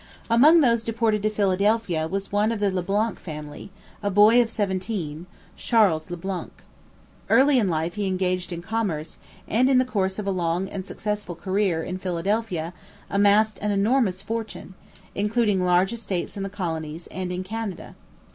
Among those deported to Philadelphia was one of the Le Blanc family, a boy of seventeen, Charles Le Blanc. Early in life he engaged in commerce, and in the course of a long and successful career in Philadelphia amassed an enormous fortune, including large estates in the colonies and in Canada.